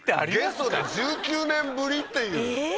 ゲストで１９年ぶりっていうええー？